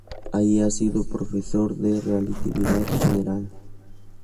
Allí ha sido profesor de relatividad general.